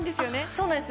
そうなんです。